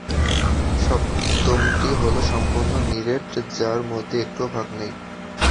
সপ্তমটি হলো সম্পূর্ণ নিরেট যার মধ্যে একটুও ফাঁকা নেই।